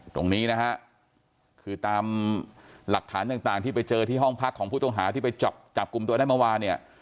ตรงนี้นะฮะคือตามหลักฐานต่างที่ไปเจอที่ห้องพักของผู้ต้องหาที่ไปจับกลุ่มตัวได้เมื่อวานเนี่ย